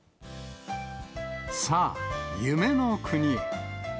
さあ、夢の国へ。